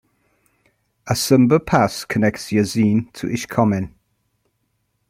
Assumber pass connects Yasin to Ishkomen.